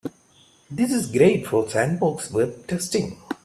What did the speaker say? This is great for sandboxed web testing.